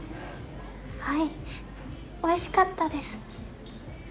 はいおいしかったです。